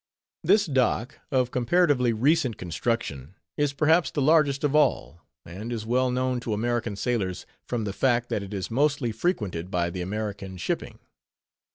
This dock, of comparatively recent construction, is perhaps the largest of all, and is well known to American sailors, from the fact, that it is mostly frequented by the American shipping.